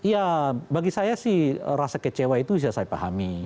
ya bagi saya sih rasa kecewa itu bisa saya pahami